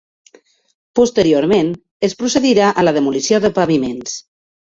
Posteriorment es procedirà a la demolició de paviments.